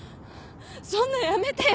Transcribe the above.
そんなやめてよ！